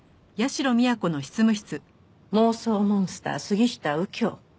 妄想モンスター杉下右京。